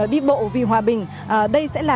đi bộ vì hòa bình